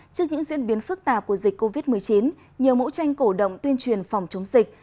trước những diễn biến phức tạp của dịch covid một mươi chín nhiều mẫu tranh cổ động tuyên truyền phòng chống dịch